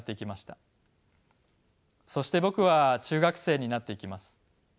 そして僕は中学生になっていきます。